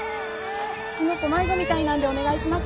この子迷子みたいなんでお願いします